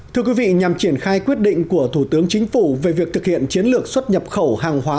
thưa quý vị nhằm triển khai quyết định của thủ tướng chính phủ về việc thực hiện chiến lược xuất nhập khẩu hàng hóa